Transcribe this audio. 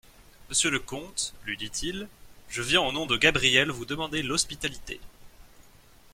Monsieur le comte, lui dit-il, je viens au nom de Gabrielle vous demander l'hospitalité.